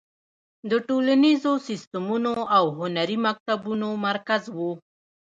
د ټولنیزو سیستمونو او هنري مکتبونو مرکز و.